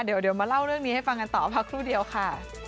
เดี๋ยวมาเล่าเรื่องนี้ให้ฟังกันต่อพักครู่เดียวค่ะ